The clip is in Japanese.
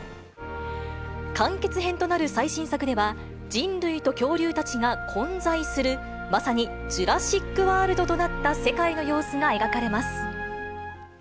完結編となる最新作では、人類と恐竜たちが混在する、まさにジュラシック・ワールドとなった世界の様子が描かれます。